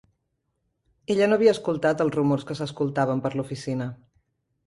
Ella no havia escoltat els rumors que s'escoltaven per l'oficina.